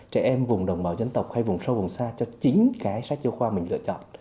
trẻ em vùng đồng bào dân tộc hay vùng sâu vùng xa cho chính cái sách giáo khoa mình lựa chọn